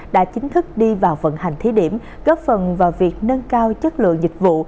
đã chính thức đi vào vận hành thí điểm góp phần vào việc nâng cao chất lượng dịch vụ